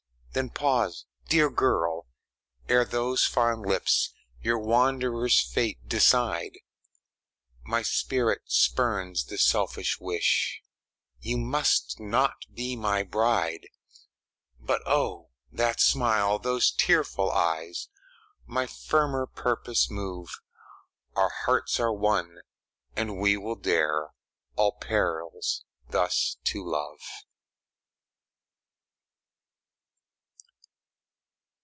Then pause, dear girl! ere those fond lips Your wanderer's fate decide; My spirit spurns the selfish wish You must not be my bride. But oh, that smile those tearful eyes, My firmer purpose move Our hearts are one, and we will dare All perils thus to love!